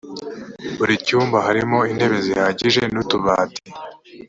buri cyumba harimo intebe zihagije n’utubati